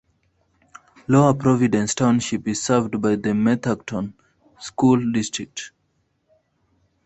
Lower Providence Township is served by the Methacton School District.